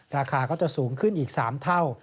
ราคาก็จะสูงขึ้นอีก๓เท่า